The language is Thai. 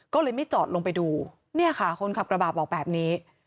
ก็เลยไม่จอดลงไปดูเนี่ยค่ะคนขับกระบาดบอกแบบนี้